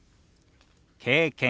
「経験」。